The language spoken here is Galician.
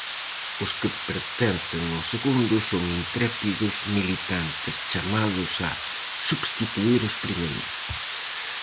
Os que pertencen ao segundo son "intrépidos militantes", chamados a substituír os primeiros.